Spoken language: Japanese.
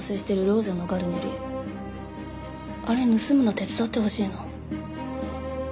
あれ盗むの手伝ってほしいの。